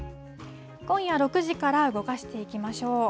今夜６時から動かしていきましょう。